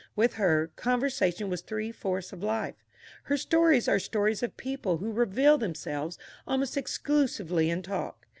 With her, conversation was three fourths of life. Her stories are stories of people who reveal themselves almost exclusively in talk.